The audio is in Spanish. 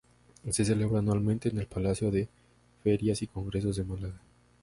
Se celebra anualmente en el Palacio de Ferias y Congresos de Málaga.